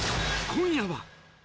今夜は。